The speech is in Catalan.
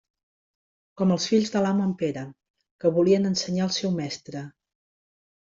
Com els fills de l'amo en Pere, que volien ensenyar el seu mestre.